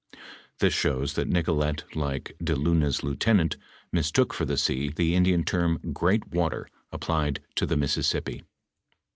Thia ahowa that Nicolet like De Luna'a lieutenant miatook for the aea, the Indian term Great Water, applied to the Misaiaaippi.